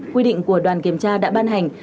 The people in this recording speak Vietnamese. quy định của đoàn kiểm tra đã ban hành